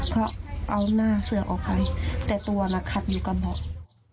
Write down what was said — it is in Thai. เพราะเอาหน้าเสือออกไปแต่ตัวน่ะขัดอยู่กับเบาะ